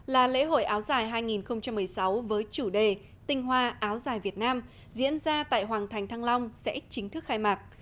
là lễ hội áo dài hai nghìn một mươi sáu với chủ đề tinh hoa áo dài việt nam diễn ra tại hoàng thành thăng long sẽ chính thức khai mạc